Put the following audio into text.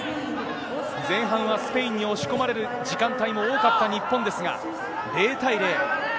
前半はスペインに押し込まれる時間帯も多かった日本ですが、０対０。